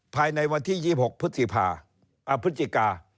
ภายในวันที่๒๖พฤศจิกา